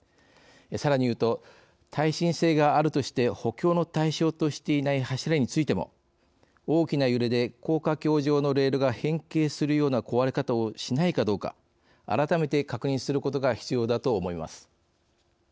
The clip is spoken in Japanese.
さらに言うと耐震性があるとして補強の対象としていない柱についても大きな揺れで高架橋上のレールが変形するような壊れ方をしないかどうか改めて確認することが必要だと思います。